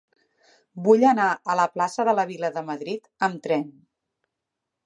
Vull anar a la plaça de la Vila de Madrid amb tren.